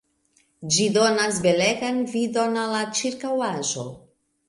Ĝi donas belegan vidon al la ĉirkaŭaĵo.